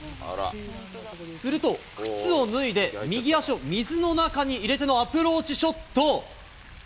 すると、靴を脱いで、右足を水の中に入れてのアプローチショット。